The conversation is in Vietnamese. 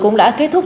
cũng đã kết thúc